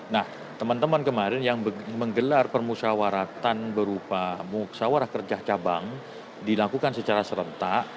nah teman teman kemarin yang menggelar permusawaratan berupa musawarah kerja cabang dilakukan secara serentak